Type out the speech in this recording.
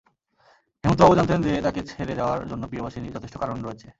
হেমন্ত বাবু জানতেন যে, তাকে ছেড়ে যাওয়ার জন্য প্রিয়বাসিনীর যথেষ্ট কারণ রয়েছে।